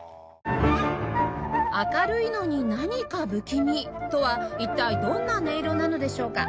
「明るいのに何か不気味」とは一体どんな音色なのでしょうか？